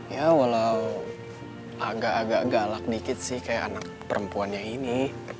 ya walau agak agak galak dikit sih kayak anak perempuannya ini